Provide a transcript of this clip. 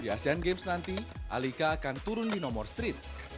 di asean games nanti alika akan turun di nomor street